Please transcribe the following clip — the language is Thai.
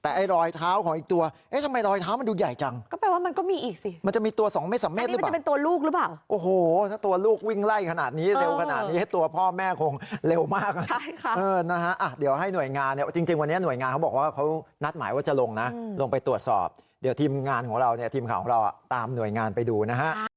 เอ่อนะฮะเดี๋ยวให้หน่วยงานเนี้ยว่าจริงจริงวันนี้หน่วยงานเขาบอกว่าเขานัดหมายว่าจะลงนะลงไปตรวจสอบเดี๋ยวทีมงานของเราเนี่ยทีมของเรางานไปดูนะฮะ